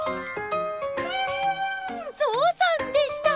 ゾウさんでした！